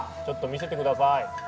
ちょっと見せて下さい。